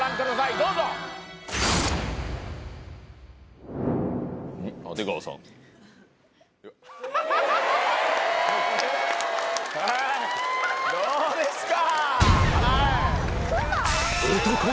どうですか？